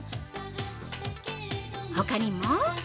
ほかにも◆